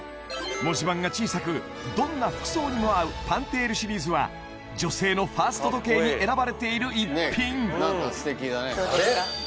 文字盤が小さくどんな服装にも合うパンテールシリーズは女性のファースト時計に選ばれている逸品あれ？